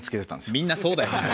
みんなそうだよ。